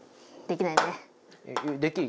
できないよ。